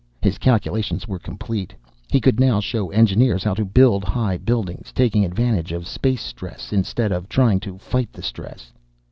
His calculations were complete. He could now show engineers how to build high buildings, taking advantage of space stress instead of trying to fight the stress.